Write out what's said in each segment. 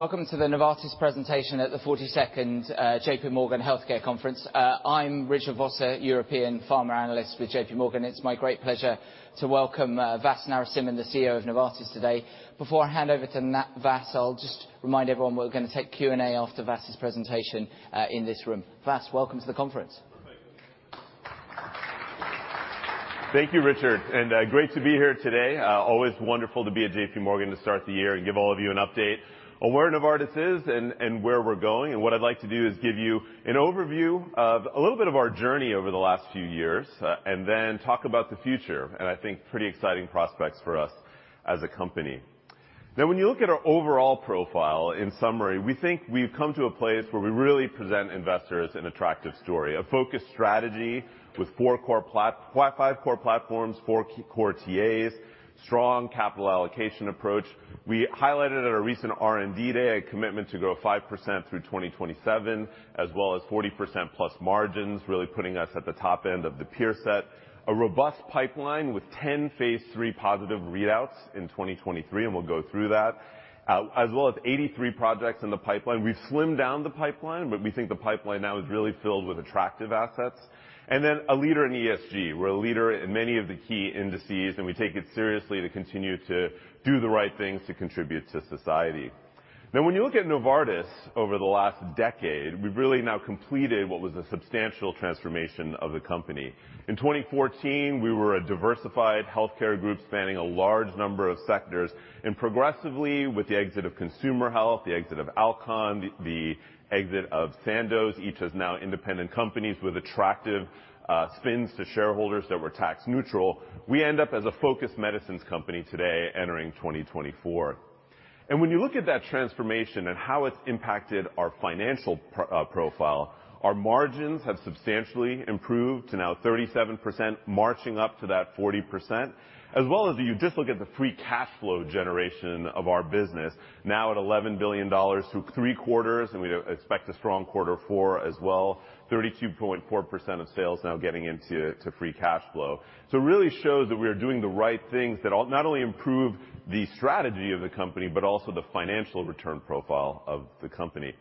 Welcome to the Novartis Presentation at the 42nd JPMorgan Healthcare Conference. I'm Richard Vosser, European pharma analyst with JPMorgan. It's my great pleasure to welcome Vas Narasimhan, the CEO of Novartis, today. Before I hand over to Vas, I'll just remind everyone we're going to take Q&A after Vas' presentation in this room. Vas, welcome to the conference. Thank you. Thank you, Richard, and, great to be here today. Always wonderful to be at JPMorgan to start the year and give all of you an update on where Novartis is and, and where we're going. What I'd like to do is give you an overview of a little bit of our journey over the last few years, and then talk about the future, and I think pretty exciting prospects for us as a company. Now, when you look at our overall profile, in summary, we think we've come to a place where we really present investors an attractive story, a focused strategy with four core plat- five core platforms, four k- core TAs, strong capital allocation approach. We highlighted at our recent R&D Day a commitment to grow 5% through 2027, as well as 40%+ margins, really putting us at the top end of the peer set. A robust pipeline with 10+ phase III readouts in 2023, and we'll go through that, as well as 83 projects in the pipeline. We've slimmed down the pipeline, but we think the pipeline now is really filled with attractive assets. And then a leader in ESG. We're a leader in many of the key indices, and we take it seriously to continue to do the right things to contribute to society. Now, when you look at Novartis over the last decade, we've really now completed what was a substantial transformation of the company. In 2014, we were a diversified healthcare group, spanning a large number of sectors, and progressively, with the exit of consumer health, the exit of Alcon, the exit of Sandoz, each is now independent companies with attractive spins to shareholders that were tax neutral. We end up as a focused medicines company today entering 2024. And when you look at that transformation and how it's impacted our financial profile, our margins have substantially improved to now 37%, marching up to that 40%. As well as you just look at the free cash flow generation of our business, now at $11 billion through three quarters, and we expect a strong quarter four as well. 32.4% of sales now getting into free cash flow. So it really shows that we are doing the right things that not only improve the strategy of the company, but also the financial return profile of the company.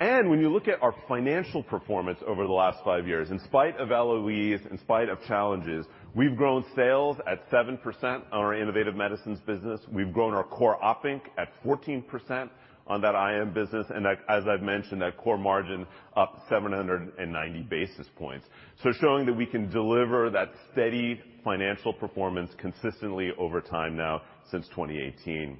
And when you look at our financial performance over the last five years, in spite of LOEs, in spite of challenges, we've grown sales at 7% on our innovative medicines business. We've grown our core operating income at 14% on that IM business, and like, as I've mentioned, that core margin up 790 basis points. So showing that we can deliver that steady financial performance consistently over time now, since 2018.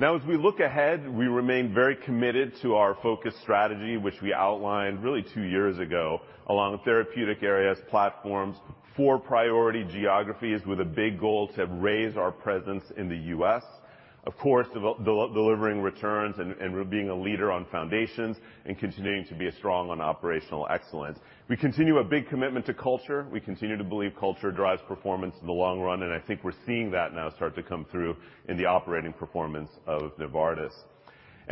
Now, as we look ahead, we remain very committed to our focus strategy, which we outlined really two years ago, along therapeutic areas, platforms, four priority geographies with a big goal to raise our presence in the U.S.. Of course, delivering returns and being a leader on foundations and continuing to be strong on operational excellence. We continue a big commitment to culture. We continue to believe culture drives performance in the long run, and I think we're seeing that now start to come through in the operating performance of Novartis.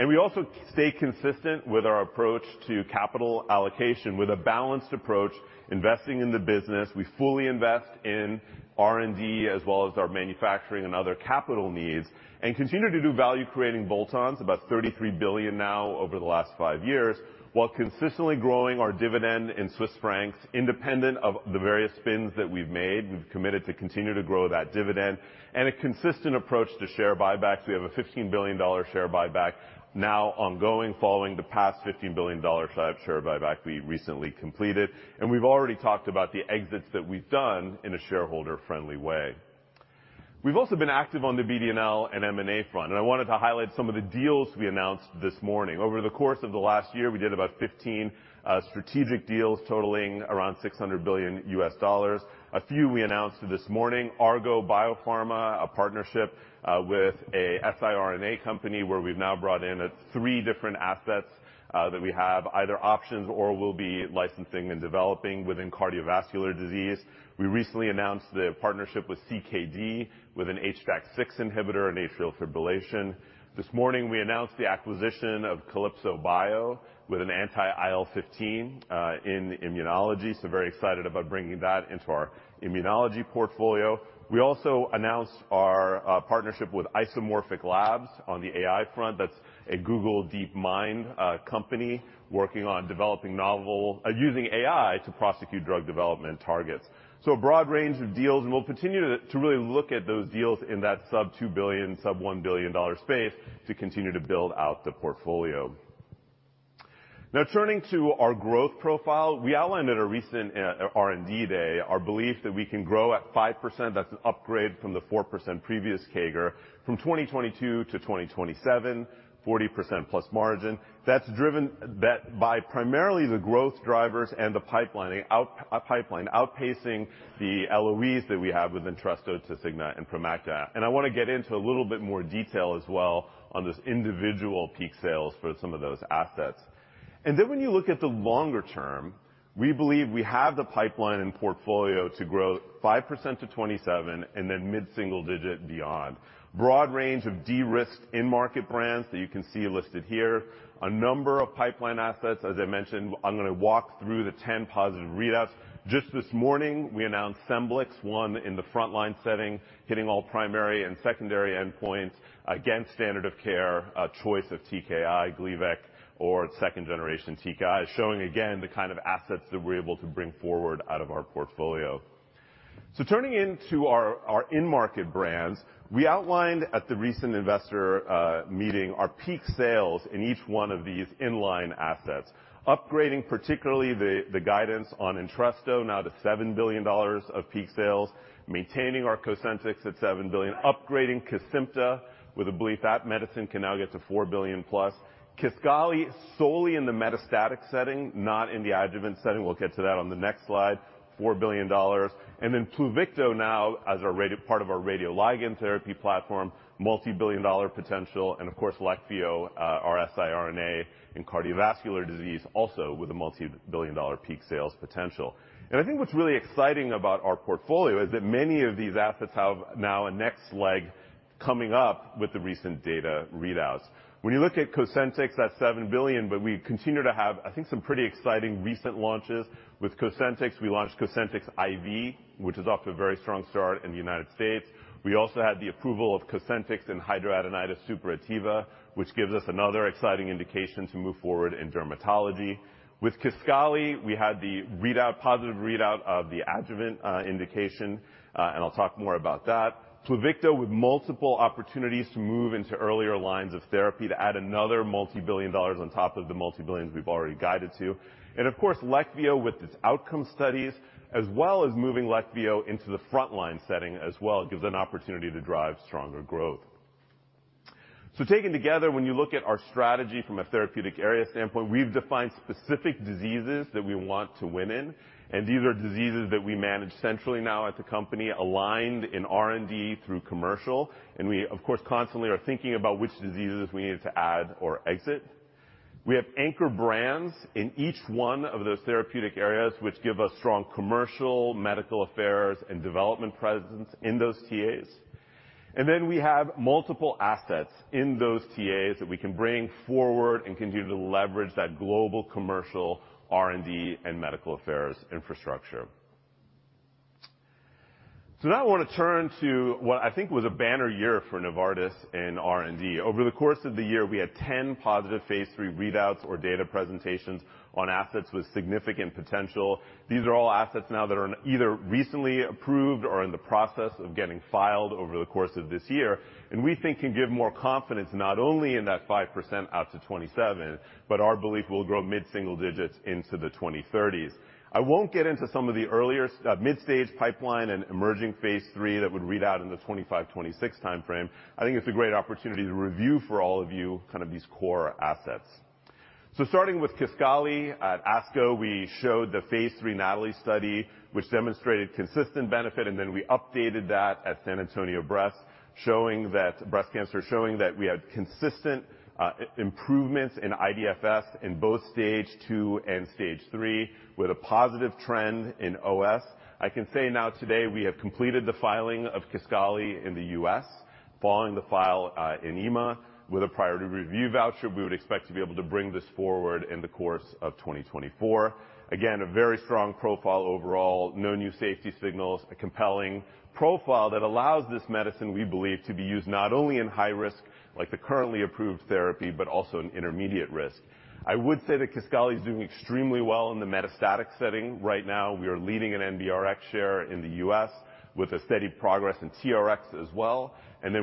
We also stay consistent with our approach to capital allocation, with a balanced approach, investing in the business. We fully invest in R&D, as well as our manufacturing and other capital needs, and continue to do value-creating bolt-ons, about 33 billion now over the last five years, while consistently growing our dividend in Swiss francs, independent of the various spins that we've made. We've committed to continue to grow that dividend and a consistent approach to share buybacks. We have a $15 billion share buyback now ongoing, following the past $15 billion share buyback we recently completed, and we've already talked about the exits that we've done in a shareholder-friendly way. We've also been active on the BD&L and M&A front, and I wanted to highlight some of the deals we announced this morning. Over the course of the last year, we did about 15 strategic deals totaling around $600 billion. A few we announced this morning, Argo Biopharma, a partnership with a siRNA company, where we've now brought in three different assets that we have either options or will be licensing and developing within cardiovascular disease. We recently announced the partnership with CKD, with an HDAC6 inhibitor and atrial fibrillation. This morning, we announced the acquisition of Calypso Biotech with an anti-IL-15 in immunology, so very excited about bringing that into our immunology portfolio. We also announced our partnership with Isomorphic Labs on the AI front. That's a Google DeepMind company working on developing using AI to prosecute drug development targets. So a broad range of deals, and we'll continue to really look at those deals in that sub-$2 billion, sub-$1 billion dollar space to continue to build out the portfolio. Now, turning to our growth profile, we outlined at a recent R&D day our belief that we can grow at 5%. That's an upgrade from the 4% previous CAGR from 2022 to 2027, 40% plus margin. That's driven that by primarily the growth drivers and the pipeline outpacing the LOEs that we have with Entresto, Tasigna, and Promacta. I want to get into a little bit more detail as well on this individual peak sales for some of those assets. Then when you look at the longer term, we believe we have the pipeline and portfolio to grow 5% to 2027 and then mid-single digit beyond. Broad range of de-risked end market brands that you can see listed here. A number of pipeline assets. As I mentioned, I'm going to walk through the 10+ readouts. Just this morning, we announced Scemblix, one in the frontline setting, hitting all primary and secondary endpoints against standard of care, a choice of TKI, Gleevec or second generation TKI, showing again the kind of assets that we're able to bring forward out of our portfolio.... So turning into our in-market brands, we outlined at the recent investor meeting our peak sales in each one of these in-line assets, upgrading particularly the guidance on Entresto, now to $7 billion of peak sales, maintaining our Cosentyx at $7 billion, upgrading Kisqali with a belief that medicine can now get to $4 billion+. Kisqali solely in the metastatic setting, not in the adjuvant setting. We'll get to that on the next slide, $4 billion. And then Pluvicto now as our radioligand therapy platform, multi-billion dollar potential, and of course, Leqvio, our siRNA in cardiovascular disease, also with a multi-billion dollar peak sales potential. I think what's really exciting about our portfolio is that many of these assets have now a next leg coming up with the recent data readouts. When you look at Cosentyx, that's $7 billion, but we continue to have, I think, some pretty exciting recent launches. With Cosentyx, we launched Cosentyx IV, which is off to a very strong start in the United States. We also had the approval of Cosentyx in hidradenitis suppurativa, which gives us another exciting indication to move forward in dermatology. With Kisqali, we had the readout, positive readout of the adjuvant indication, and I'll talk more about that. Pluvicto, with multiple opportunities to move into earlier lines of therapy to add another multi-billion dollars on top of the multi-billions we've already guided to. And of course, Leqvio, with its outcome studies, as well as moving Leqvio into the frontline setting as well, gives an opportunity to drive stronger growth. So taken together, when you look at our strategy from a therapeutic area standpoint, we've defined specific diseases that we want to win in, and these are diseases that we manage centrally now as a company aligned in R&D through commercial, and we, of course, constantly are thinking about which diseases we need to add or exit. We have anchor brands in each one of those therapeutic areas, which give us strong commercial, medical affairs, and development presence in those TAs. And then we have multiple assets in those TAs that we can bring forward and continue to leverage that global commercial R&D and medical affairs infrastructure. So now I want to turn to what I think was a banner year for Novartis in R&D. Over the course of the year, we had 10+ phase III readouts or data presentations on assets with significant potential. These are all assets now that are either recently approved or in the process of getting filed over the course of this year, and we think can give more confidence, not only in that 5% out to 2027, but our belief will grow mid-single digits into the 2030s. I won't get into some of the earlier, mid-stage pipeline and emerging phase III that would read out in the 2025, 2026 time frame. I think it's a great opportunity to review for all of you kind of these core assets. So starting with Kisqali at ASCO, we showed the phase III NATALEE study, which demonstrated consistent benefit, and then we updated that at San Antonio Breast, showing that breast cancer, showing that we had consistent improvements in iDFS in both stage two and stage three with a positive trend in OS. I can say now today, we have completed the filing of Kisqali in the U.S., following the filing in EMA with a priority review voucher. We would expect to be able to bring this forward in the course of 2024. Again, a very strong profile overall, no new safety signals, a compelling profile that allows this medicine, we believe, to be used not only in high risk, like the currently approved therapy, but also in intermediate risk. I would say that Kisqali is doing extremely well in the metastatic setting. Right now, we are leading an NBRx share in the US with a steady progress in TRx as well.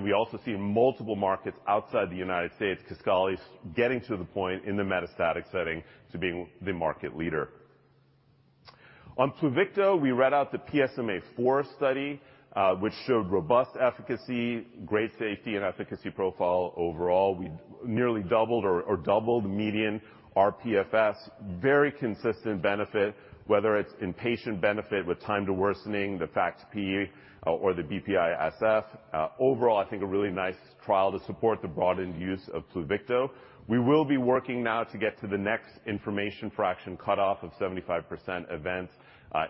We also see multiple markets outside the United States. Kisqali is getting to the point in the metastatic setting to being the market leader. On Pluvicto, we read out the PSMAfore study, which showed robust efficacy, great safety and efficacy profile overall. We nearly doubled or doubled median RPFS. Very consistent benefit, whether it's in patient benefit with time to worsening the FACT-P or the BPI-SF. Overall, I think a really nice trial to support the broadened use of Pluvicto. We will be working now to get to the next information fraction cutoff of 75% events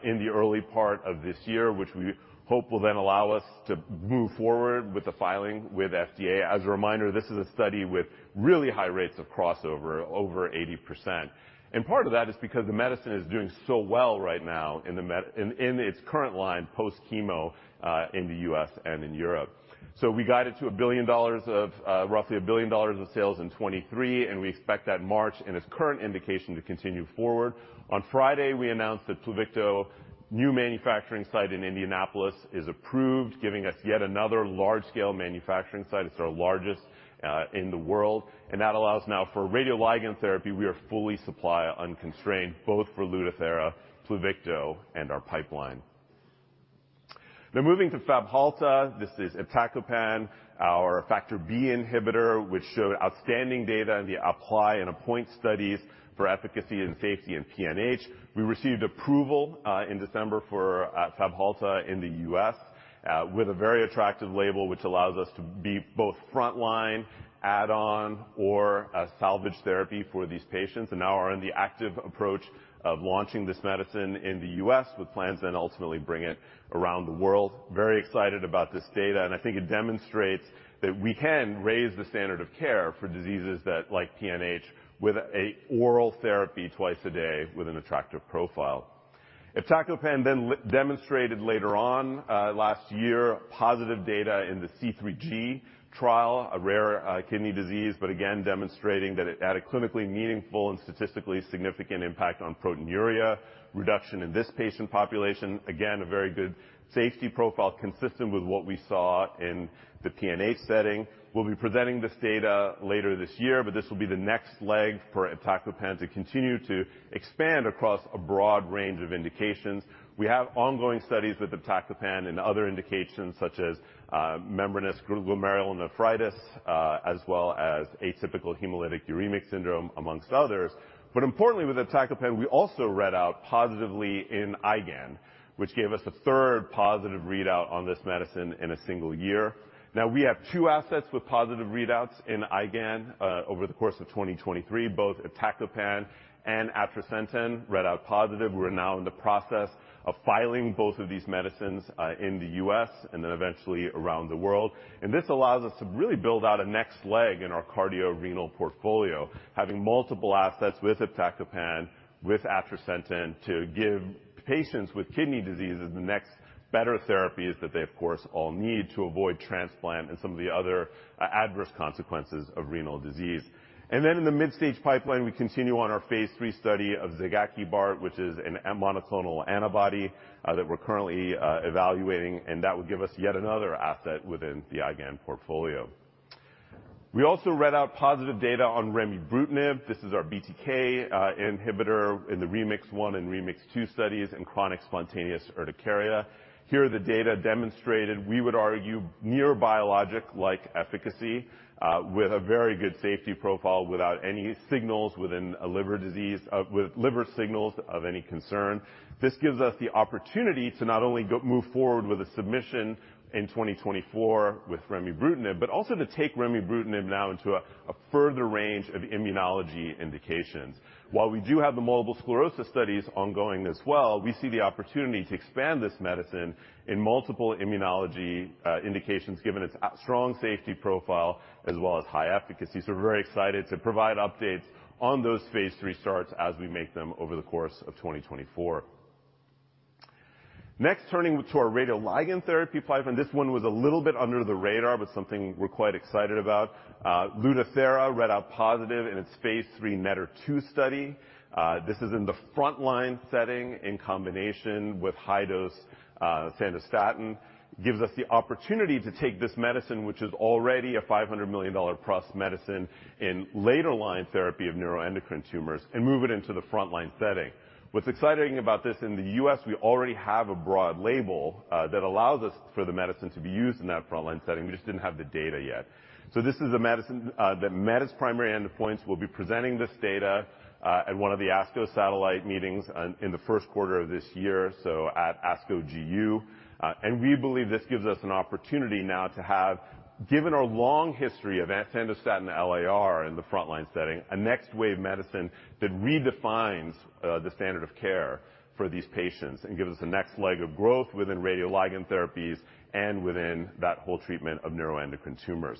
in the early part of this year, which we hope will then allow us to move forward with the filing with FDA. As a reminder, this is a study with really high rates of crossover, over 80%. Part of that is because the medicine is doing so well right now in its current line, post-chemo, in the U.S. and in Europe. We got it to roughly $1 billion in sales in 2023, and we expect that march in its current indication to continue forward. On Friday, we announced that Pluvicto new manufacturing site in Indianapolis is approved, giving us yet another large-scale manufacturing site. It's our largest in the world, and that allows now for radioligand therapy. We are fully supply unconstrained, both for Lutathera, Pluvicto, and our pipeline. Now moving to Fabhalta, this is iptacopan, our factor B inhibitor, which showed outstanding data in the Apply and Appoint studies for efficacy and safety in PNH. We received approval in December for Fabhalta in the U.S. with a very attractive label, which allows us to be both frontline, add-on, or a salvage therapy for these patients, and now are in the active approach of launching this medicine in the U.S. with plans then ultimately bring it around the world. Very excited about this data, and I think it demonstrates that we can raise the standard of care for diseases that... like PNH, with an oral therapy twice a day with an attractive profile. iptacopan then demonstrated later on, last year, positive data in the C3G trial, a rare kidney disease, but again, demonstrating that it had a clinically meaningful and statistically significant impact on proteinuria reduction in this patient population. Again, a very good safety profile, consistent with what we saw in the PNH setting. We'll be presenting this data later this year, but this will be the next leg for iptacopan to continue to expand across a broad range of indications. We have ongoing studies with iptacopan in other indications, such as, membranous glomerulonephritis, as well as atypical hemolytic uremic syndrome, among others. But importantly, with iptacopan, we also read out positively in IgAN, which gave us a 3+ readout on this medicine in a single year. Now, we have two assets with positive readouts in IgAN over the course of 2023, both iptacopan and atrasentan read out positive. We're now in the process of filing both of these medicines in the U.S. and then eventually around the world. This allows us to really build out a next leg in our cardiorenal portfolio, having multiple assets with iptacopan, with atrasentan to give patients with kidney diseases the next better therapies that they, of course, all need to avoid transplant and some of the other adverse consequences of renal disease. Then in the mid-stage pipeline, we continue on our phase III study of zigakibart, which is a monoclonal antibody that we're currently evaluating, and that would give us yet another asset within the IgAN portfolio. We also read out positive data on remibrutinib. This is our BTK inhibitor in the REMIX-1 and REMIX-2 studies in chronic spontaneous urticaria. Here, the data demonstrated, we would argue, near biologic-like efficacy with a very good safety profile, without any signals within a liver disease with liver signals of any concern. This gives us the opportunity to not only move forward with a submission in 2024 with remibrutinib, but also to take remibrutinib now into a further range of immunology indications. While we do have the multiple sclerosis studies ongoing as well, we see the opportunity to expand this medicine in multiple immunology indications, given its strong safety profile as well as high efficacy. So we're very excited to provide updates on those phase III starts as we make them over the course of 2024. Next, turning to our radioligand therapy pipeline. This one was a little bit under the radar, but something we're quite excited about. Lutathera read out positive in its phase III NETTER-2 study. This is in the frontline setting in combination with high-dose Sandostatin. Gives us the opportunity to take this medicine, which is already a $500 million-plus medicine in later-line therapy of neuroendocrine tumors, and move it into the frontline setting. What's exciting about this, in the US, we already have a broad label, that allows us for the medicine to be used in that frontline setting. We just didn't have the data yet. So this is a medicine, that met its primary endpoints. We'll be presenting this data, at one of the ASCO satellite meetings in the first quarter of this year, so at ASCO GU. We believe this gives us an opportunity now to have, given our long history of Sandostatin LAR in the frontline setting, a next wave medicine that redefines the standard of care for these patients and gives us a next leg of growth within radioligand therapies and within that whole treatment of neuroendocrine tumors.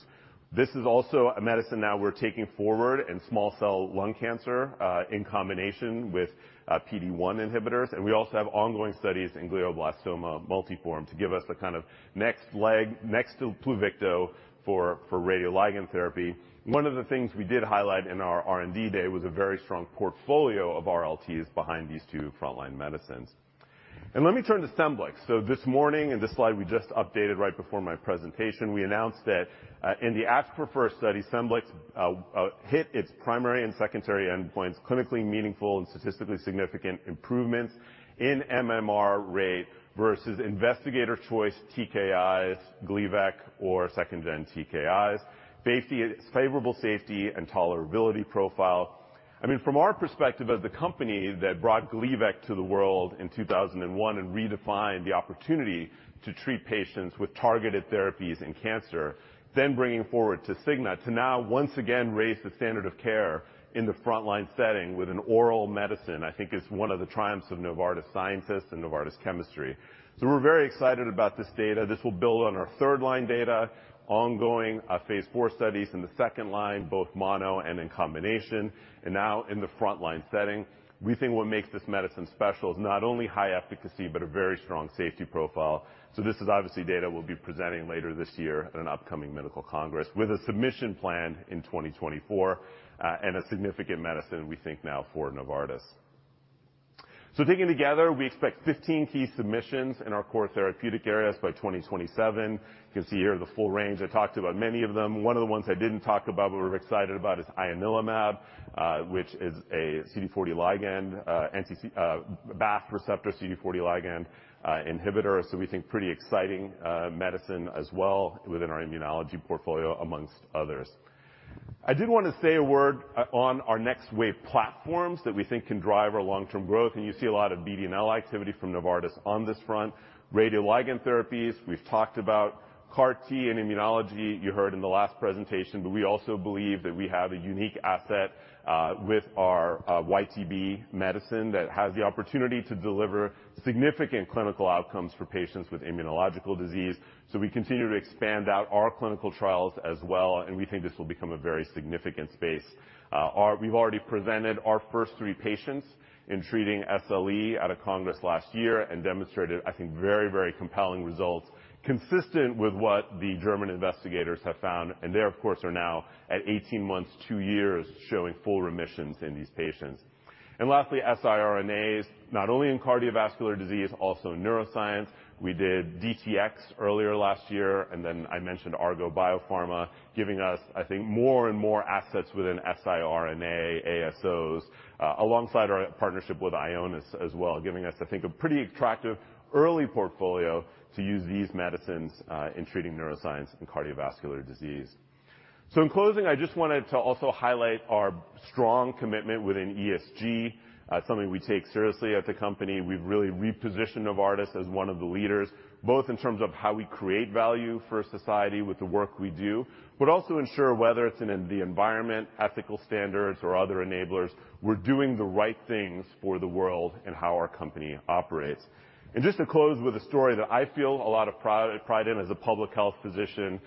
This is also a medicine now we're taking forward in small cell lung cancer in combination with PD-1 inhibitors, and we also have ongoing studies in glioblastoma multiforme to give us a kind of next leg next to Pluvicto for, for radioligand therapy. One of the things we did highlight in our R&D day was a very strong portfolio of RLTs behind these two frontline medicines. Let me turn to Scemblix. So this morning, in this slide we just updated right before my presentation, we announced that, in the ASC4FIRST study, Scemblix hit its primary and secondary endpoints, clinically meaningful and statistically significant improvements in MMR rate versus investigator choice TKIs, Gleevec or second-gen TKIs. Basically, it's favorable safety and tolerability profile. I mean, from our perspective as the company that brought Gleevec to the world in 2001 and redefined the opportunity to treat patients with targeted therapies in cancer, then bringing forward Scemblix to now once again raise the standard of care in the frontline setting with an oral medicine, I think is one of the triumphs of Novartis scientists and Novartis chemistry. So we're very excited about this data. This will build on our third-line data, ongoing phase IV studies in the second line, both mono and in combination, and now in the frontline setting. We think what makes this medicine special is not only high efficacy, but a very strong safety profile. So this is obviously data we'll be presenting later this year at an upcoming medical congress with a submission plan in 2024, and a significant medicine we think now for Novartis. So taken together, we expect 15 key submissions in our core therapeutic areas by 2027. You can see here the full range. I talked about many of them. One of the ones I didn't talk about, but we're excited about, is ianalumab, which is a CD40 ligand, BAFF receptor, CD40 ligand inhibitor. So we think pretty exciting medicine as well within our immunology portfolio, among others. I did want to say a word on our next wave platforms that we think can drive our long-term growth, and you see a lot of BD&L activity from Novartis on this front. Radioligand therapies, we've talked about CAR-T and immunology you heard in the last presentation, but we also believe that we have a unique asset with our YTB medicine that has the opportunity to deliver significant clinical outcomes for patients with immunological disease. So we continue to expand out our clinical trials as well, and we think this will become a very significant space. We've already presented our first three patients in treating SLE at a congress last year and demonstrated, I think, very, very compelling results, consistent with what the German investigators have found. And they, of course, are now at 18 months, two years, showing full remissions in these patients. And lastly, siRNAs, not only in cardiovascular disease, also in neuroscience. We did DTx earlier last year, and then I mentioned Argo Biopharma, giving us, I think, more and more assets within siRNA, ASOs, alongside our partnership with Ionis as well, giving us, I think, a pretty attractive early portfolio to use these medicines in treating neuroscience and cardiovascular disease. So in closing, I just wanted to also highlight our strong commitment within ESG, something we take seriously as a company. We've really repositioned Novartis as one of the leaders, both in terms of how we create value for society with the work we do, but also ensure whether it's in the environment, ethical standards, or other enablers, we're doing the right things for the world in how our company operates. And just to close with a story that I feel a lot of pride in as a public health physician,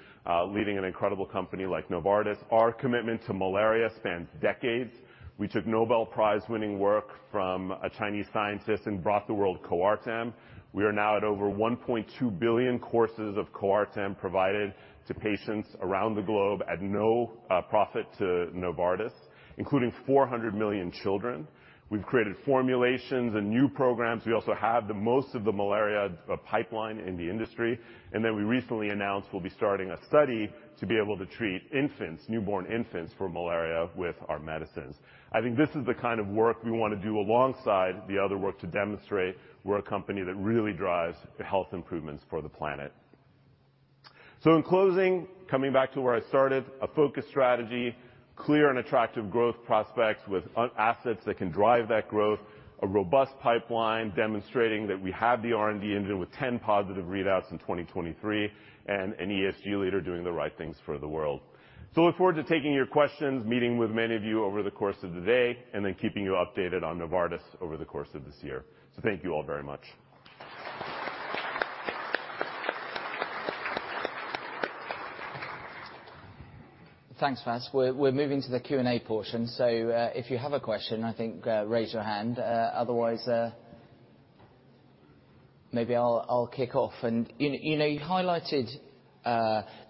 leading an incredible company like Novartis, our commitment to malaria spans decades. We took Nobel Prize-winning work from a Chinese scientist and brought the world Coartem. We are now at over 1.2 billion courses of Coartem provided to patients around the globe at no profit to Novartis, including 400 million children. We've created formulations and new programs. We also have the most of the malaria pipeline in the industry, and then we recently announced we'll be starting a study to be able to treat infants, newborn infants for malaria with our medicines. I think this is the kind of work we want to do alongside the other work to demonstrate we're a company that really drives the health improvements for the planet. So in closing, coming back to where I started, a focused strategy, clear and attractive growth prospects with unique assets that can drive that growth, a robust pipeline demonstrating that we have the R&D engine with 10+ readouts in 2023, and an ESG leader doing the right things for the world. So I look forward to taking your questions, meeting with many of you over the course of the day, and then keeping you updated on Novartis over the course of this year. Thank you all very much. Thanks, Vas. We're moving to the Q&A portion, so if you have a question, I think raise your hand. Otherwise, maybe I'll kick off. You know, you highlighted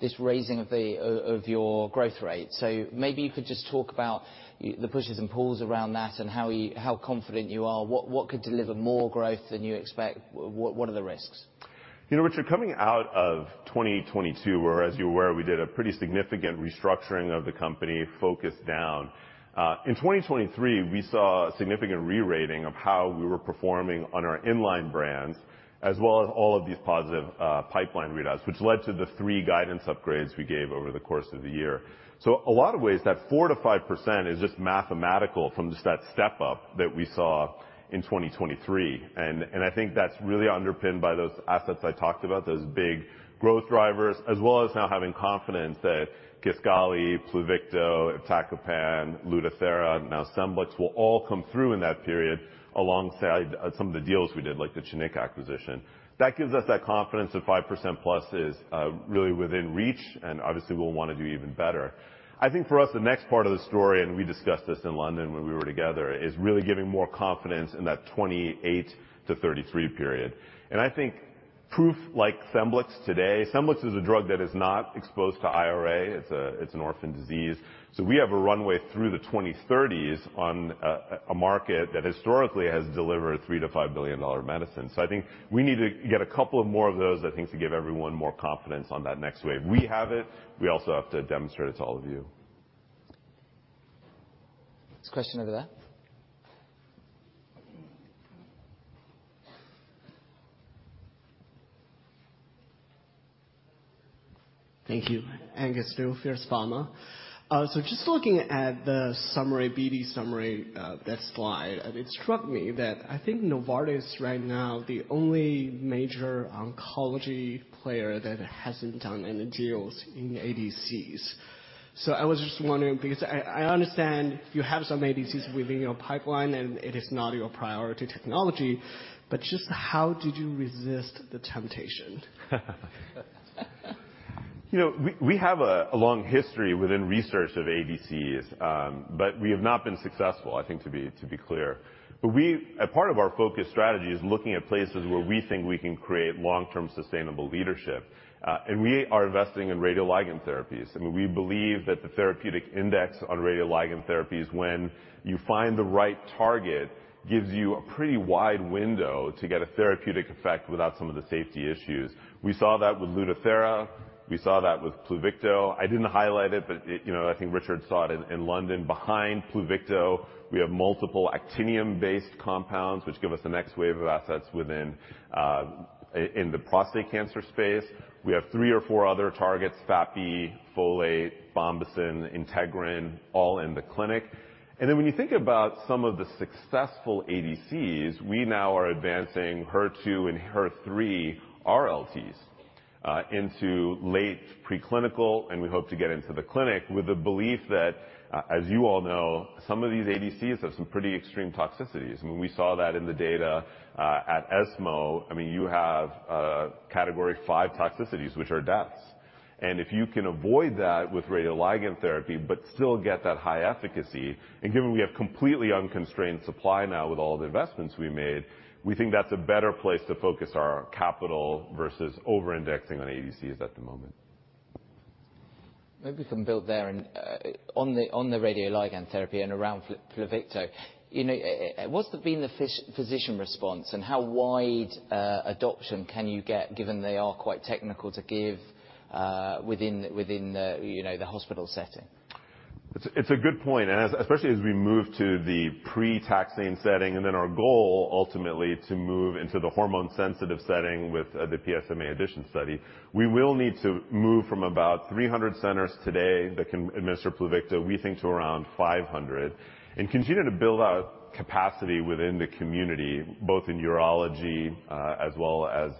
this raising of your growth rate, so maybe you could just talk about the pushes and pulls around that and how confident you are. What could deliver more growth than you expect? What are the risks? You know, Richard, coming out of 2022, where, as you're aware, we did a pretty significant restructuring of the company, focused down, in 2023, we saw a significant re-rating of how we were performing on our in-line brands, as well as all of these positive, pipeline readouts, which led to the three guidance upgrades we gave over the course of the year. So a lot of ways, that 4%-5% is just mathematical from just that step up that we saw in 2023. And, and I think that's really underpinned by those assets I talked about, those big growth drivers, as well as now having confidence that Kisqali, Pluvicto, iptacopan, Lutathera, now Scemblix, will all come through in that period, alongside some of the deals we did, like the Chinook acquisition. That gives us that confidence that 5%+ is really within reach, and obviously we'll want to do even better. I think for us, the next part of the story, and we discussed this in London when we were together, is really giving more confidence in that 28-33 period. I think proof like Scemblix today, Scemblix is a drug that is not exposed to IRA. It's an orphan disease. So we have a runway through the 2030s on a market that historically has delivered $3 billion-$5 billion medicine. So I think we need to get a couple of more of those, I think, to give everyone more confidence on that next wave. We have it. We also have to demonstrate it to all of you. There's a question over there. Thank you. Angus Liu, Fierce Pharma. So just looking at the summary, BD summary, that slide, it struck me that I think Novartis right now, the only major oncology player that hasn't done any deals in ADCs. So I was just wondering, because I understand you have some ADCs within your pipeline, and it is not your priority technology, but just how did you resist the temptation? You know, we have a long history within research of ADCs, but we have not been successful, I think, to be clear. But a part of our focus strategy is looking at places where we think we can create long-term sustainable leadership, and we are investing in radioligand therapies. I mean, we believe that the therapeutic index on radioligand therapies, when you find the right target, gives you a pretty wide window to get a therapeutic effect without some of the safety issues. We saw that with Lutathera. We saw that with Pluvicto. I didn't highlight it, but, you know, I think Richard saw it in London. Behind Pluvicto, we have multiple actinium-based compounds, which give us the next wave of assets within the prostate cancer space. We have three or four other targets, FAPI, Folate, Bombesin, Integrin, all in the clinic. And then when you think about some of the successful ADCs, we now are advancing HER2 and HER3 RLTs into late preclinical, and we hope to get into the clinic with the belief that, as you all know, some of these ADCs have some pretty extreme toxicities. I mean, we saw that in the data at ESMO. I mean, you have category five toxicities, which are deaths. And if you can avoid that with radioligand therapy but still get that high efficacy, and given we have completely unconstrained supply now with all the investments we made, we think that's a better place to focus our capital versus over-indexing on ADCs at the moment. Maybe we can build there and, on the radioligand therapy and around Pluvicto, you know, what's been the physician response, and how wide adoption can you get, given they are quite technical to give, within the hospital setting? It's a good point, and especially as we move to the pre-taxane setting, and then our goal ultimately to move into the hormone-sensitive setting with the PSMA addition study. We will need to move from about 300 centers today that can administer Pluvicto, we think, to around 500, and continue to build out capacity within the community, both in urology as well as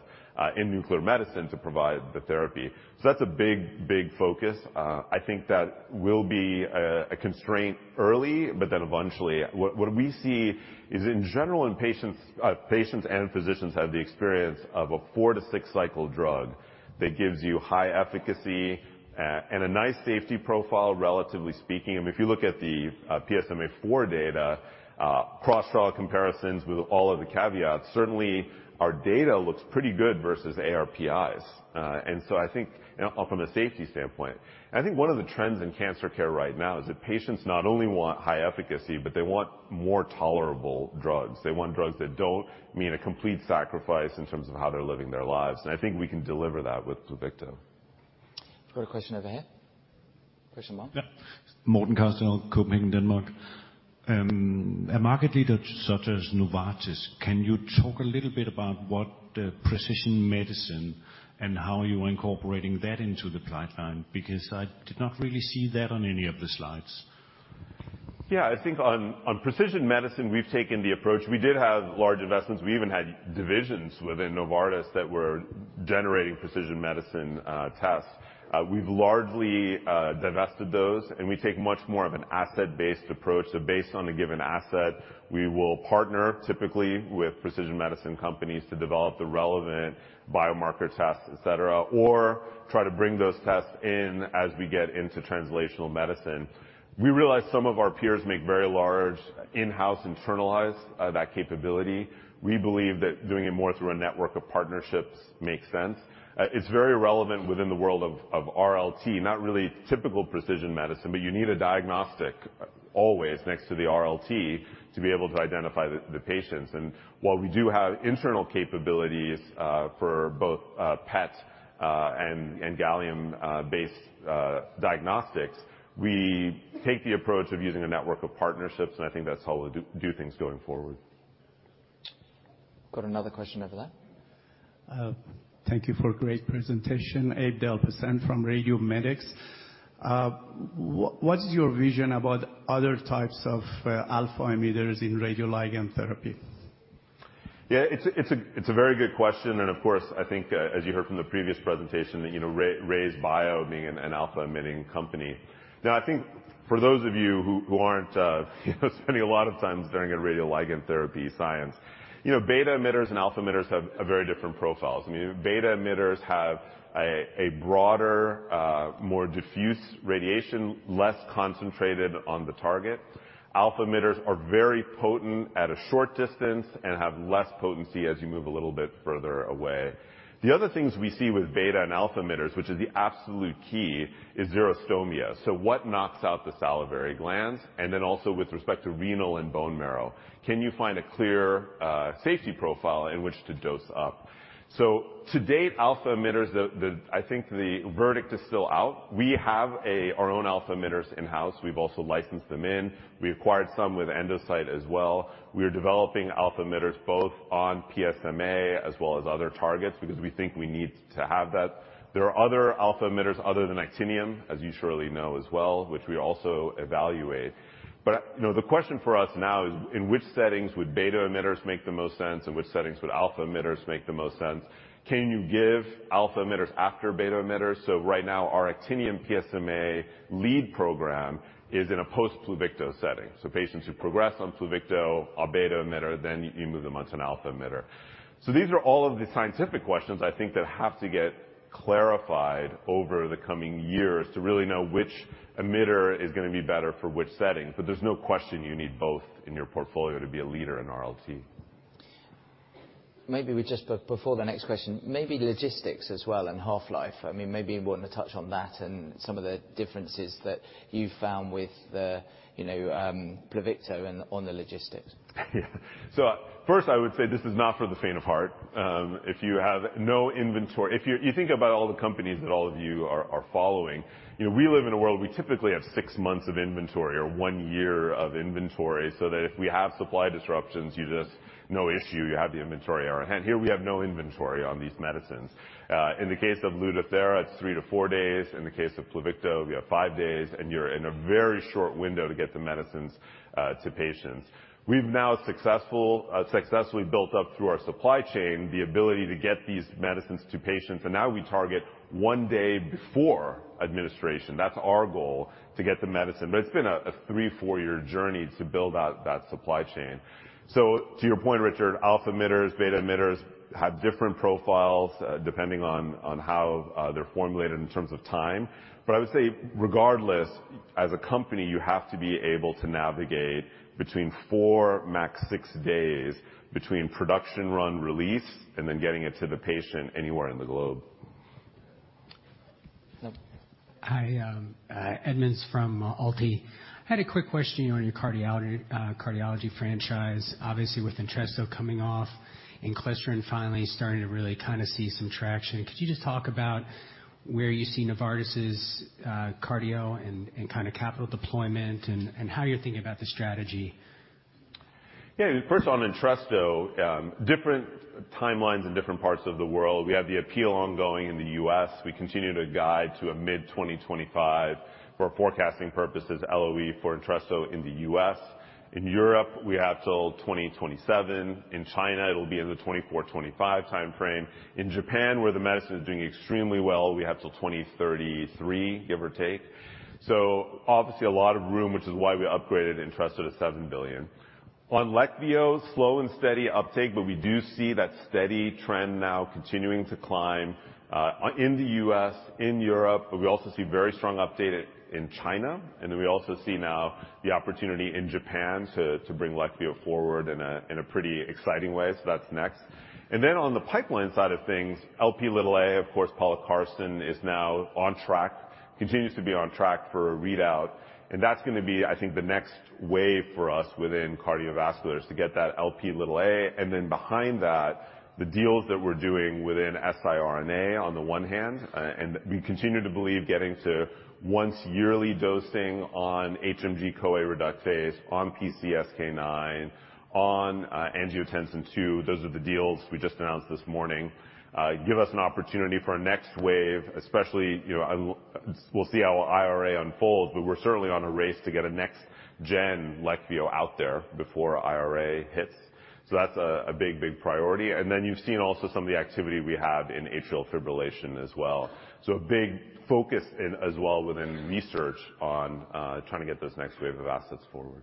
in nuclear medicine to provide the therapy. So that's a big, big focus. I think that will be a constraint early, but then eventually... What we see is, in general, patients and physicians have the experience of a four-six cycle drug that gives you high efficacy and a nice safety profile, relatively speaking. I mean, if you look at the PSMA 4 data, cross-trial comparisons with all of the caveats, certainly our data looks pretty good versus ARPIs. And so I think, you know, from a safety standpoint, I think one of the trends in cancer care right now is that patients not only want high efficacy, but they want more tolerable drugs. They want drugs that don't mean a complete sacrifice in terms of how they're living their lives, and I think we can deliver that with Pluvicto. Got a question over here. Kastberg? Yeah. Morten Kastberg, Copenhagen, Denmark. A market leader such as Novartis, can you talk a little bit about what, precision medicine and how you're incorporating that into the pipeline? Because I did not really see that on any of the slides. Yeah. I think on, on precision medicine, we've taken the approach... We did have large investments. We even had divisions within Novartis that were generating precision medicine, tests. We've largely, divested those, and we take much more of an asset-based approach. So based on a given asset, we will partner typically with precision medicine companies to develop the relevant biomarker tests, et cetera, or try to bring those tests in as we get into translational medicine. We realize some of our peers make very large in-house, internalize, that capability. We believe that doing it more through a network of partnerships makes sense. It's very relevant within the world of, of RLT, not really typical precision medicine, but you need a diagnostic always next to the RLT to be able to identify the, the patients. While we do have internal capabilities for both PET and gallium-based diagnostics, we take the approach of using a network of partnerships, and I think that's how we'll do things going forward. Got another question over there. Thank you for a great presentation. Ebrahim Delpassand from RadioMedix. What is your vision about other types of alpha emitters in radioligand therapy? Yeah, it's a very good question, and of course, I think, as you heard from the previous presentation, that, you know, RayzeBio being an alpha-emitting company. Now, I think for those of you who aren't spending a lot of time learning about radioligand therapy science, you know, beta emitters and alpha emitters have a very different profiles. I mean, beta emitters have a broader, more diffuse radiation, less concentrated on the target. Alpha emitters are very potent at a short distance and have less potency as you move a little bit further away. The other things we see with beta and alpha emitters, which is the absolute key, is xerostomia. So what knocks out the salivary glands? And then also with respect to renal and bone marrow, can you find a clear safety profile in which to dose up? So to date, alpha emitters, I think the verdict is still out. We have our own alpha emitters in-house. We've also licensed them in. We acquired some with Endocyte as well. We are developing alpha emitters, both on PSMA as well as other targets, because we think we need to have that. There are other alpha emitters other than actinium, as you surely know as well, which we also evaluate. But, you know, the question for us now is: In which settings would beta emitters make the most sense, and which settings would alpha emitters make the most sense? Can you give alpha emitters after beta emitters? So right now, our actinium PSMA lead program is in a post-Pluvicto setting. So patients who progress on Pluvicto, a beta emitter, then you move them onto an alpha emitter. So these are all of the scientific questions I think that have to get clarified over the coming years to really know which emitter is gonna be better for which setting, but there's no question you need both in your portfolio to be a leader in RLT. Maybe just before the next question, maybe logistics as well and half-life. I mean, maybe you want to touch on that and some of the differences that you've found with the, you know, Pluvicto and on the logistics. So first, I would say this is not for the faint of heart. If you think about all the companies that all of you are following, you know, we live in a world, we typically have six months of inventory or one year of inventory, so that if we have supply disruptions, you just, no issue, you have the inventory on hand. Here, we have no inventory on these medicines. In the case of Lutathera, it's three-four days. In the case of Pluvicto, we have five days, and you're in a very short window to get the medicines to patients. We've now successfully built up through our supply chain the ability to get these medicines to patients, and now we target 1 day before administration. That's our goal, to get the medicine. But it's been a three-four year journey to build out that supply chain. So to your point, Richard, alpha emitters, beta emitters have different profiles, depending on how they're formulated in terms of time. But I would say, regardless, as a company, you have to be able to navigate between four-max six days between production run release and then getting it to the patient anywhere in the globe. Hi, Edmonds from AlTi. I had a quick question on your cardiology franchise. Obviously, with Entresto coming off and inclisiran finally starting to really kind of see some traction, could you just talk about where you see Novartis's cardio and kind of capital deployment and how you're thinking about the strategy? Yeah, first on Entresto, different timelines in different parts of the world. We have the appeal ongoing in the U.S. We continue to guide to a mid-2025 for forecasting purposes, LOE for Entresto in the U.S. In Europe, we have till 2027. In China, it'll be in the 2024-2025 timeframe. In Japan, where the medicine is doing extremely well, we have till 2033, give or take. So obviously, a lot of room, which is why we upgraded Entresto to $7 billion. On Leqvio, slow and steady uptake, but we do see that steady trend now continuing to climb in the U.S., in Europe, but we also see very strong uptake in China, and then we also see now the opportunity in Japan to bring Leqvio forward in a pretty exciting way. So that's next. And then on the pipeline side of things, Lp(a), of course, pelacarsen, is now on track, continues to be on track for a readout, and that's going to be, I think, the next wave for us within cardiovascular, is to get that Lp(a). And then behind that, the deals that we're doing within siRNA, on the one hand, and we continue to believe getting to once yearly dosing on HMG-CoA reductase, on PCSK9, on, angiotensin II. Those are the deals we just announced this morning. give us an opportunity for our next wave, especially, you know, we'll see how IRA unfolds, but we're certainly on a race to get a next gen Leqvio out there before IRA hits. So that's a, a big, big priority. And then you've seen also some of the activity we have in atrial fibrillation as well. So a big focus in as well within research on trying to get this next wave of assets forward.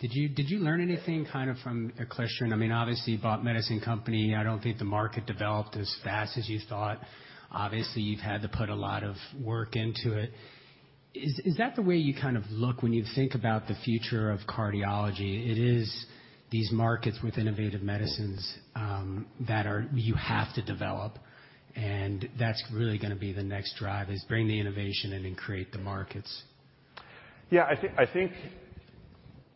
Did you learn anything kind of from Entresto? I mean, obviously, you bought The Medicines Company. I don't think the market developed as fast as you thought. Obviously, you've had to put a lot of work into it. Is that the way you kind of look when you think about the future of cardiology? It is these markets with innovative medicines that you have to develop, and that's really going to be the next drive, is bring the innovation and then create the markets. Yeah, I think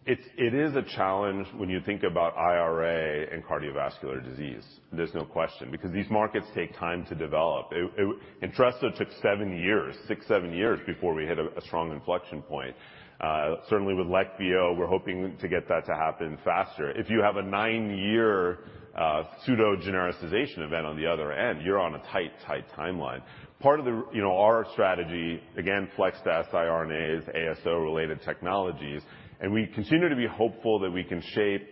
it is a challenge when you think about IRA and cardiovascular disease. There's no question, because these markets take time to develop. It... Entresto took seven years, six-seven years before we hit a strong inflection point. Certainly with Leqvio, we're hoping to get that to happen faster. If you have a nine year pseudo-genericization event on the other end, you're on a tight timeline. Part of the, you know, our strategy, again, flex the siRNAs, ASO-related technologies, and we continue to be hopeful that we can shape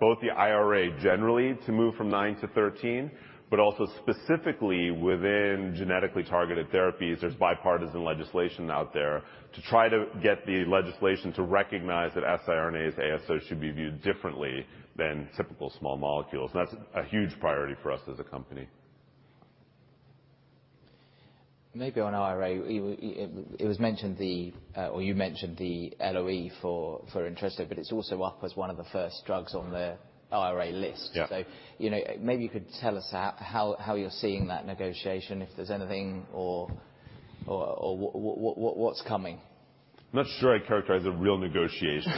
both the IRA generally to move from nine to 13, but also specifically within genetically targeted therapies. There's bipartisan legislation out there to try to get the legislation to recognize that siRNAs, ASO should be viewed differently than typical small molecules. That's a huge priority for us as a company. Maybe on IRA, it was mentioned the, or you mentioned the LOE for Entresto, but it's also up as one of the first drugs on the IRA list. Yeah. So, you know, maybe you could tell us how you're seeing that negotiation, if there's anything or what's coming? I'm not sure I'd characterize it a real negotiation.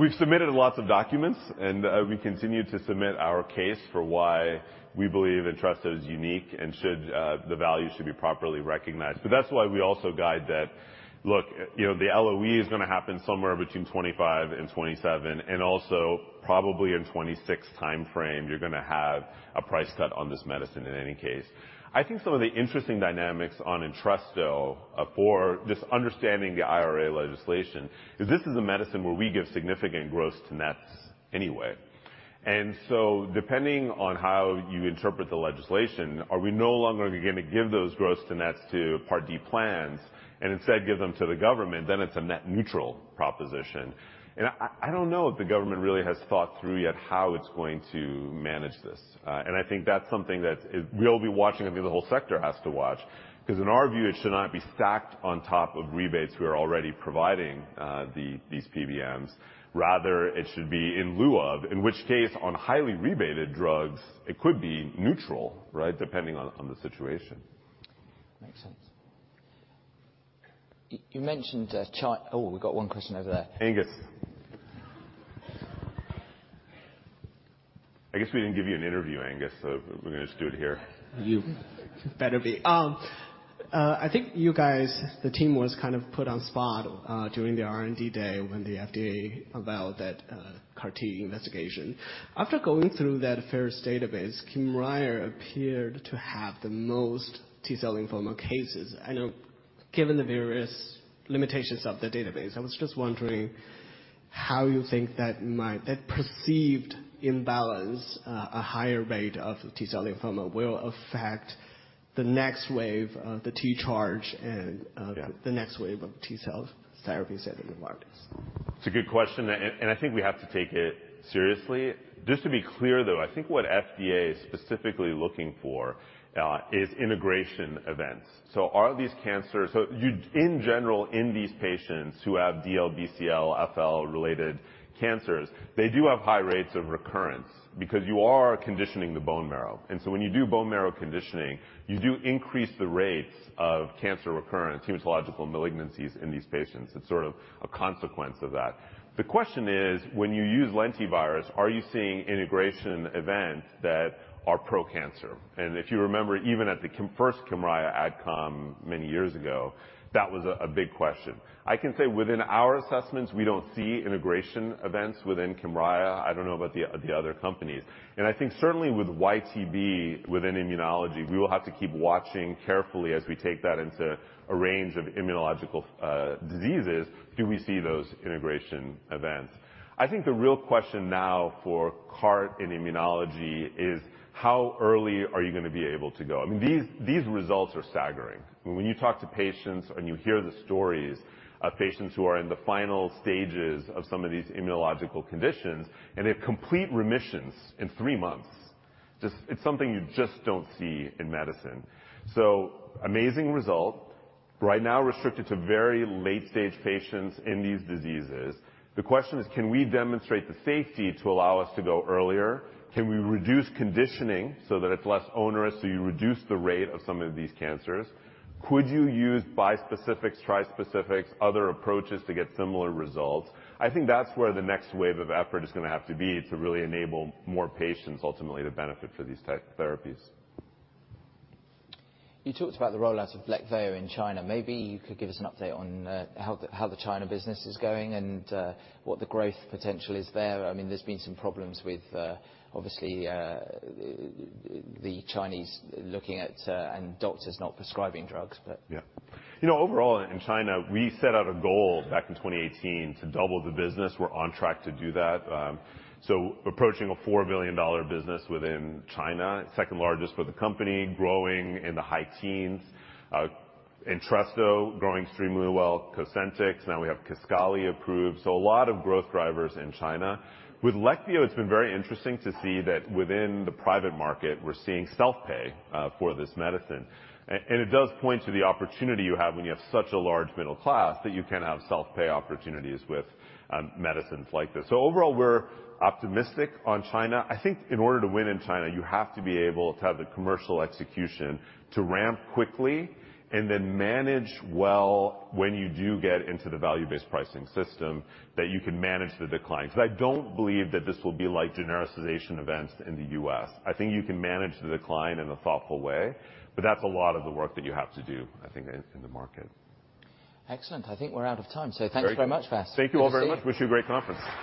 We've submitted lots of documents, and we continue to submit our case for why we believe Entresto is unique and should, the value should be properly recognized. But that's why we also guide that. Look, you know, the LOE is going to happen somewhere between 2025 and 2027, and also probably in 2026 timeframe, you're going to have a price cut on this medicine in any case. I think some of the interesting dynamics on Entresto, for just understanding the IRA legislation, is this is a medicine where we give significant gross to nets anyway. And so depending on how you interpret the legislation, are we no longer going to give those gross to nets to Part D plans and instead give them to the government, then it's a net neutral proposition. I, I don't know if the government really has thought through yet how it's going to manage this. I think that's something we'll be watching, and the whole sector has to watch, because in our view, it should not be stacked on top of rebates we are already providing, these PBMs. Rather, it should be in lieu of, in which case, on highly rebated drugs, it could be neutral, right? Depending on the situation. Makes sense. You mentioned, Oh, we got one question over there. Angus. I guess we didn't give you an interview, Angus, so we're going to just do it here. You better be. I think you guys, the team was kind of put on spot during the R&D day when the FDA unveiled that CAR-T investigation. After going through that first database, Kymriah appeared to have the most T-cell lymphoma cases. I know, given the various limitations of the database, I was just wondering how you think that perceived imbalance, a higher rate of T-cell lymphoma, will affect... the next wave of the T-Charge and, Yeah. the next wave of T-cell therapies that the market is. It's a good question, and I think we have to take it seriously. Just to be clear, though, I think what FDA is specifically looking for is integration events. So are these cancers—so you—in general, in these patients who have DLBCL, FL-related cancers, they do have high rates of recurrence because you are conditioning the bone marrow. And so when you do bone marrow conditioning, you do increase the rates of cancer recurrence, hematological malignancies in these patients. It's sort of a consequence of that. The question is, when you use lentivirus, are you seeing integration events that are pro-cancer? And if you remember, even at the first Kymriah ADCOM many years ago, that was a big question. I can say within our assessments, we don't see integration events within Kymriah. I don't know about the other companies. I think certainly with YTB, within immunology, we will have to keep watching carefully as we take that into a range of immunological diseases. Do we see those integration events? I think the real question now for CART in immunology is: How early are you gonna be able to go? I mean, these, these results are staggering. When you talk to patients, and you hear the stories of patients who are in the final stages of some of these immunological conditions, and they have complete remissions in three months, just... It's something you just don't see in medicine. So amazing result. Right now, restricted to very late-stage patients in these diseases. The question is: Can we demonstrate the safety to allow us to go earlier? Can we reduce conditioning so that it's less onerous, so you reduce the rate of some of these cancers? Could you use bispecifics, tri-specifics, other approaches to get similar results? I think that's where the next wave of effort is gonna have to be to really enable more patients ultimately to benefit for these type of therapies. You talked about the rollout of Leqvio in China. Maybe you could give us an update on how the China business is going and what the growth potential is there. I mean, there's been some problems with obviously the Chinese looking at and doctors not prescribing drugs, but- Yeah. You know, overall in China, we set out a goal back in 2018 to double the business. We're on track to do that. So approaching a $4 billion business within China, second largest for the company, growing in the high teens. Entresto growing extremely well, Cosentyx, now we have Kisqali approved, so a lot of growth drivers in China. With Leqvio, it's been very interesting to see that within the private market, we're seeing self-pay for this medicine. And it does point to the opportunity you have when you have such a large middle class, that you can have self-pay opportunities with medicines like this. So overall, we're optimistic on China. I think in order to win in China, you have to be able to have the commercial execution to ramp quickly and then manage well when you do get into the value-based pricing system, that you can manage the decline. So I don't believe that this will be like genericization events in the U.S. I think you can manage the decline in a thoughtful way, but that's a lot of the work that you have to do, I think, in the market. Excellent. I think we're out of time. Great. Thank you very much, Vas. Thank you all very much. Good to see you. Wish you a great conference.